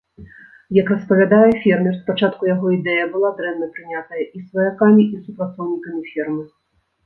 Як распавядае фермер, спачатку яго ідэя была дрэнна прынятая і сваякамі і супрацоўнікамі фермы.